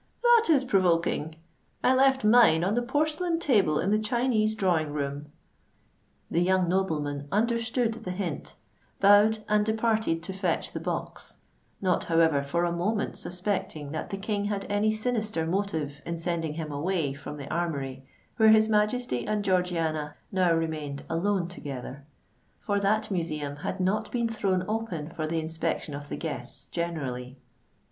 "That is provoking! I left mine on the porcelain table in the Chinese Drawing Room." The young nobleman understood the hint, bowed, and departed to fetch the box—not however for a moment suspecting that the King had any sinister motive in sending him away from the Armoury, where his Majesty and Georgiana now remained alone together; for that museum had not been thrown open for the inspection of the guests generally.